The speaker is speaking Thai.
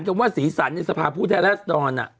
ก็ว่าสีสันในสภาพผู้แทรสดอนอะ